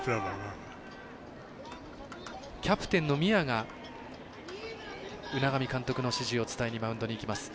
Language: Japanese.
キャプテンの宮が海上監督の指示を伝えにマウンドに行きます。